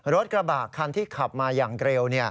รถกระบะคันที่ขับมาอย่างเร็ว